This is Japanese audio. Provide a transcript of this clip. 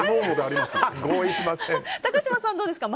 高嶋さんはどうですか？